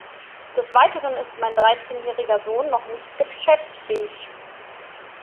Des Weiteren ist mein dreizehnjähriger Sohn noch nicht geschäftsfähig.